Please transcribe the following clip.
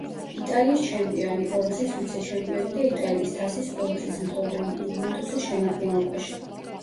იტალიის ჩემპიონი, ორგზის ვიცე-ჩემპიონი და იტალიის თასის ორგზის მფლობელი „იუვენტუსის“ შემადგენლობაში.